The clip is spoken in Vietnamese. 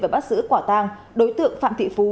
và bắt giữ quả tàng đối tượng phạm thị phú